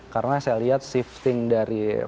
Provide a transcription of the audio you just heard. karena saya lihat shifting dari